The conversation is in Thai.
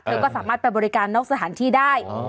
ก็สามารถไปบริการนอกสถานที่ได้